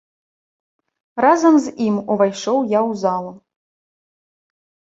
Разам з ім увайшоў я ў залу.